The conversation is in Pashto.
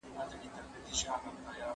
شاګرد ته اجازه ده خپله ژبه وکاروي.